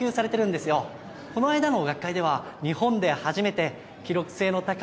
この間の学会では日本で初めて記録性の高い。